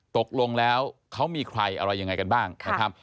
ตกลงแล้วเขามีใครอะไรยังไงกันบ้างนะครับ